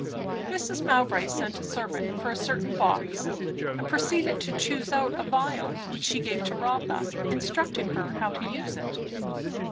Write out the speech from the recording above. Mrs. Mowbray sent a servant for a certain box, and proceeded to choose out a vial which she gave to Rotha, instructing her how to use it.